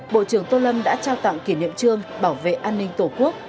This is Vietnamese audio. bộ trưởng tô lâm đã trao tặng kỷ niệm trương bảo vệ an ninh tổ quốc